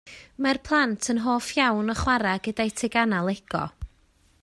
Mae'r plant yn hoff iawn o chwarae gyda'u teganau Lego.